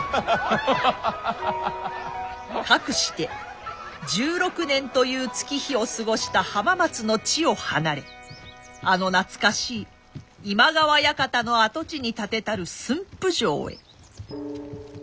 かくして１６年という月日を過ごした浜松の地を離れあの懐かしい今川館の跡地に建てたる駿府城へ。